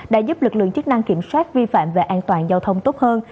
đã giúp lực lượng chức năng kiểm soát vi phạm về an toàn giao thông tốt hơn